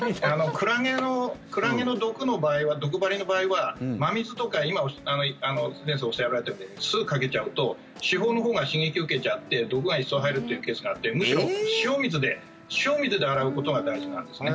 クラゲの毒針の場合は真水とか今、先生がおっしゃられたように酢をかけちゃうと刺胞のほうが刺激を受けちゃって毒が一層入るというケースがあってむしろ、塩水で洗うことが大事なんですね。